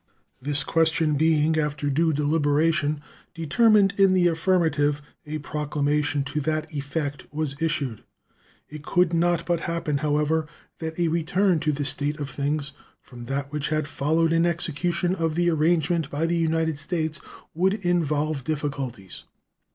This question being, after due deliberation, determined in the affirmative, a proclamation to that effect was issued. It could not but happen, however, that a return to this state of things from that which had followed an execution of the arrangement by the United States would involve difficulties.